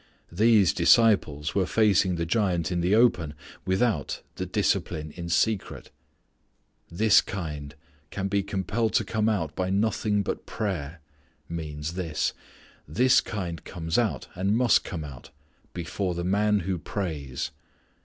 These disciples were facing the giant in the open without the discipline in secret. "This kind can be compelled to come out by nothing but by prayer," means this: "this kind comes out, and must come out, before the man who prays."